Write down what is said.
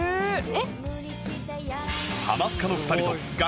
えっ？